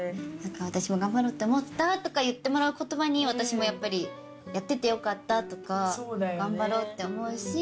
「私も頑張ろうって思った」とか言ってもらう言葉に私もやっぱりやっててよかったとか頑張ろうって思うし。